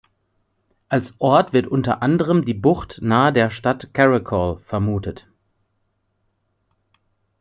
Als Ort wird unter anderem die Bucht nahe der Stadt Caracol vermutet.